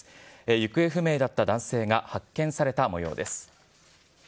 行方不明だった男性が発見されたもようです。